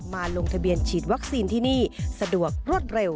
ลงทะเบียนฉีดวัคซีนที่นี่สะดวกรวดเร็ว